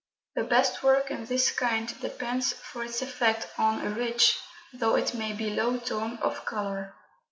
The best work in this kind depends for its effect on a rich, though it may be low tone of colour.